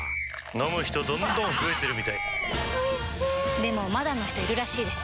飲む人どんどん増えてるみたいおいしでもまだの人いるらしいですよ